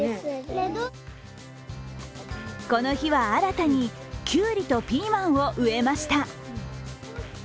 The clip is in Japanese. この日は新たにきゅうりとピーマンを植えました。